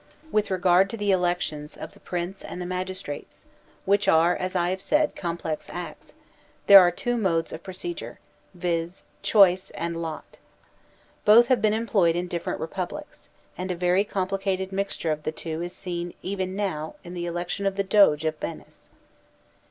With regard to the elections of the Prince and the magistrates, which are, as I have said, complex acts, there are two modes of procedure, viz, choice and lot. Both have been employed in diflferent republics, and a very complicated mixture of the two is seen even now in the election of the Doge of Venice.